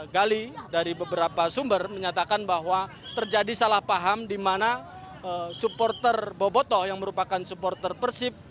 gali dari beberapa sumber menyatakan bahwa terjadi salah paham di mana supporter boboto yang merupakan supporter persib